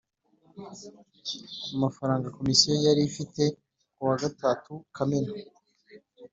Amafaranga Komisiyo yari ifite ku wa gatatu kamena